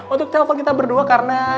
untuk telepon kita berdua karena